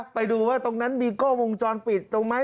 ไปดูว่าตรงนั้นมีกล้องวงจรปิดตรงไหม